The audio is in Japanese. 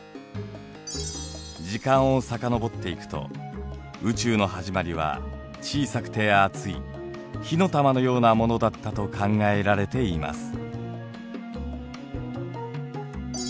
時間を遡っていくと宇宙のはじまりは小さくて熱い火の玉のようなものだったと考えられています。